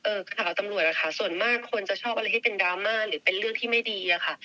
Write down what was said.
ข่าวตำรวจอะค่ะส่วนมากคนจะชอบอะไรที่เป็นดราม่าหรือเป็นเรื่องที่ไม่ดีอะค่ะ